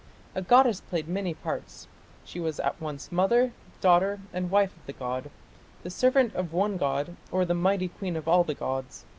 A goddess played many parts: she was at once mother, daughter, and wife of the god; the servant of one god or the "mighty queen of all the gods".